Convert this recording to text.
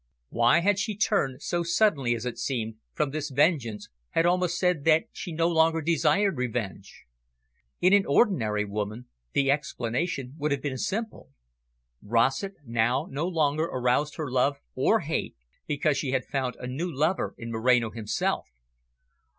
Why had she turned, so suddenly, as it seemed, from this vengeance, had almost said that she no longer desired revenge? In an ordinary woman, the explanation would have been simple. Rossett now no longer aroused her love or hate because she had found a new lover in Moreno himself.